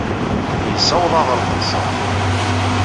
Yessaweḍ-aɣ ɣer teɣsert.